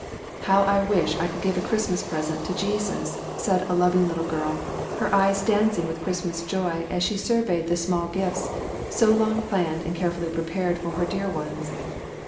'" "How I wish I could give a Christmas present to Jesus!" said a loving little girl, her eyes dancing with Christmas joy as she surveyed the small gifts, so long planned and carefully prepared for her dear ones.